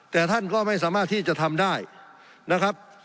แต่ท่านก็ไม่สามารถที่จะทำได้นะครับ